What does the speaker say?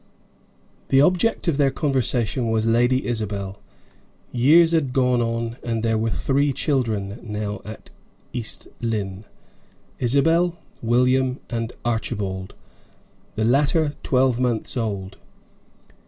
The object of their conversation was Lady Isabel. Years had gone on, and there were three children now at East Lynne Isabel, William, and Archibald the latter twelve months old.